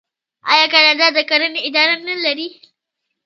آیا کاناډا د کرنې اداره نلري؟